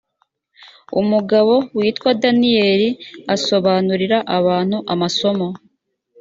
umugabo witwa daniyeli asobanurira abantu amasomo.